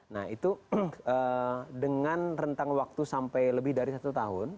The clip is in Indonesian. nah itu dengan rentang waktu sampai lebih dari satu tahun